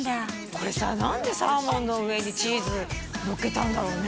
これさ何でサーモンの上にチーズのっけたんだろうね？